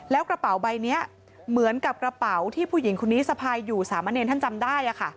แล้วกระเป๋าใบนี้เหมือนกับกระเป๋าที่ผู้หญิงคนนี้สะพายอยู่สามะเนรท่านจำได้